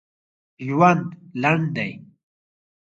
ژوند لنډ دي!